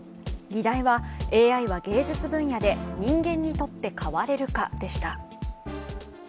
議題は、ＡＩは芸術分野で人間にとって代われるかでした。